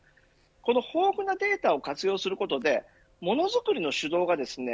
この豊富なデータを活用することでものづくりの主導がですね